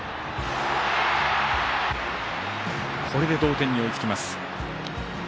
これで同点に追いつきます。